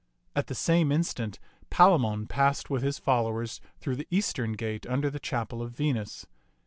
At the same instant Pala mon passed with his followers through the eastern gate under the chapel of Venus.